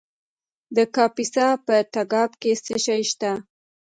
د کاپیسا په تګاب کې څه شی شته؟